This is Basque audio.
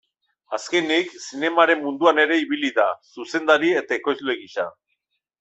Azkenik, zinemaren munduan ere ibili da, zuzendari eta ekoizle gisa.